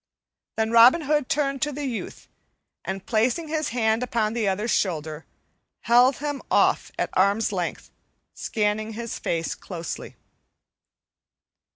Then Robin Hood turned to the youth, and, placing his hand upon the other's shoulder, held him off at arm's length, scanning his face closely.